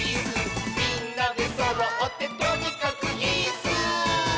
「みんなでそろってとにかくイス！」